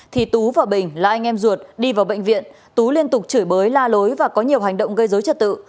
thì tú và bình là anh em ruột đi vào bệnh viện tú liên tục chửi bới la lối và có nhiều hành động gây dối trật tự